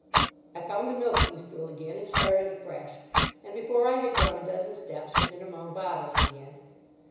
I found the milking stool again and started afresh, and before I had gone a dozen steps was in among bottles again.